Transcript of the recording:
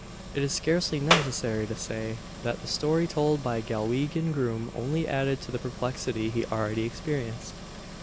It is scarcely necessary to say, that the story told by the Galwegian groom only added to the perplexity he already experienced.